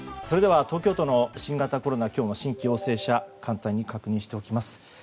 それでは東京都の新型コロナ今日の新規陽性者簡単に確認しておきます。